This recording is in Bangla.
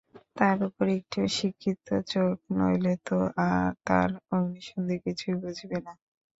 তার উপর একটু শিক্ষিত চোখ নইলে তো তার অগ্নি-সন্ধি কিছুই বুঝবে না।